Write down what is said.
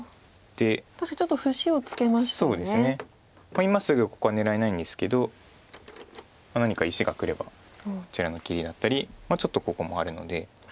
今すぐここは狙えないんですけど何か石がくればこちらの切りだったりちょっとここもあるので。